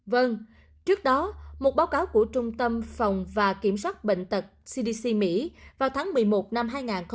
vâng trước đó một báo cáo của trung tâm phòng và kiểm soát bệnh tật cdc mỹ vào tháng một mươi một năm hai nghìn hai mươi